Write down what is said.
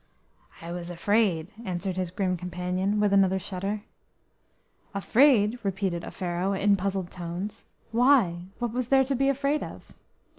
"I was afraid," answered his grim companion, with another shudder. "Afraid?" repeated Offero in puzzled tones. "Why, what was there to be afraid of?"